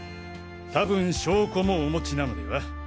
たぶん証拠もお持ちなのでは？